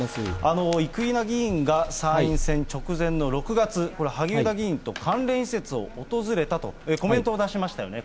生稲議員が参院選直前の６月、これ、萩生田議員と関連施設を訪れたとコメントを出しましたよね。